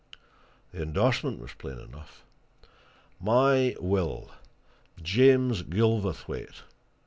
The endorsement was plain enough My will: James Gilverthwaite.